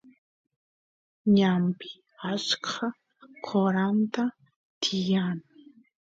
ñanpi achka qoronta tiyan